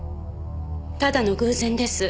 ただの偶然です。